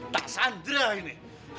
tak sandra ini